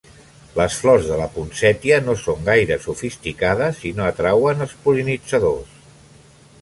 Les flors de la ponsètia no són gaire sofisticades i no atrauen els pol·linitzadors.